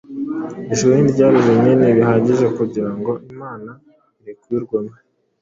Ijuru ntiryari rinini bihagije kugira ngo Imana irikwirwemo,